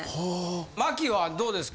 茉希はどうですか？